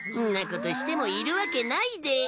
んなことしてもいるわけないで。